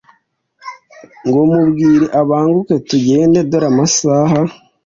ngomubwire abanguke tugende dore namasaha